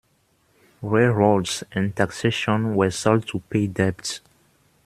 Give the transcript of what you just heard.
Railroads and taxation were sold to pay debt.